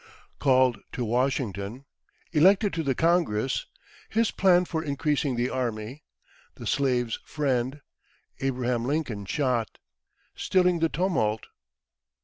Called to Washington Elected to the Congress His Plan for increasing the Army The Slaves' Friend Abraham Lincoln shot Stilling the Tumult.